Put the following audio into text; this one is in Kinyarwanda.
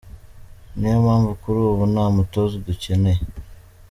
Niyo mpamvu kuri ubu nta mutoza dukeneye.